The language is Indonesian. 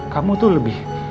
kamu tuh lebih